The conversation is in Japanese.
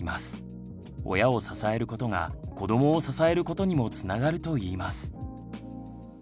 親を支えることが子どもを支えることにもつながるといいます。